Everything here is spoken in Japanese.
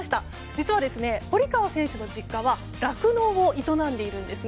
実は、堀川選手の実家は酪農を営んでいるんです。